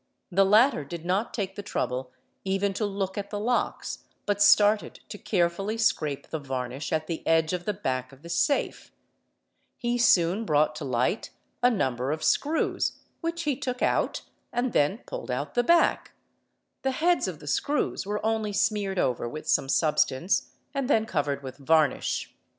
The latter did not take the trouble even to look at the locks but started to i carefully scrape the varnish at the edge of the back of the safe; he soon brought to light a number of screws, which he took out, and then pulled out the back; the heads of the screws were only smeared over with some substance and then covered with varnish.